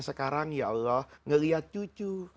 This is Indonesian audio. sekarang ya allah ngelihat cucu